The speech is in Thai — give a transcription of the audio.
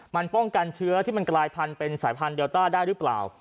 มันป้องกันเชื้อที่มันกลายพันธุ์เป็นสายพันธุเดลต้าได้หรือเปล่า